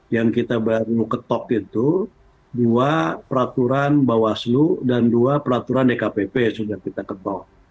yang kita baru ketok itu dua peraturan bawaslu dan dua peraturan dkpp yang sudah kita ketok